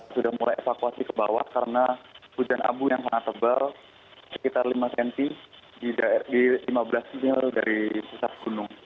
sudah mulai evakuasi ke bawah karena hujan abu yang sangat tebal sekitar lima cm di lima belas mil dari pusat gunung